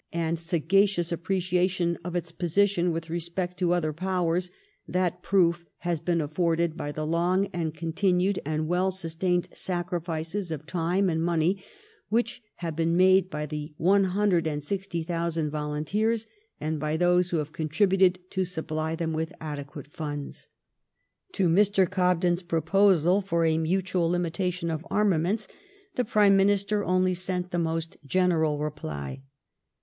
and sagaeioiiB appreciation of its position with respect to other Powers, that proof has been afforded by the long continned and well sustained sacrifices of time and money which haye been made by the 160^000 Yolonteers, and by those who have contributed to supply them with requisite funds. To Mr. Gobden's proposal for a matnal limitation of armament the Prime Minister only sent the most general reply.